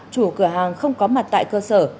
chủ cửa hàng không có mặt tại cơ sở